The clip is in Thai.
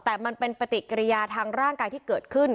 แต่มันเป็นปฏิกิริยาทางร่างกายที่เกิดขึ้น